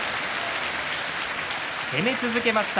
攻め続けました。